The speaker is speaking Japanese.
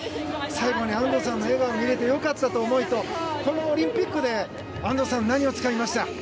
最後まで安藤さんの笑顔を見れて良かったと思うとこのオリンピックで安藤さん、何をつかみました？